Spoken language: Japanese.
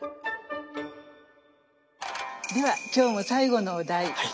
では今日も最後のお題。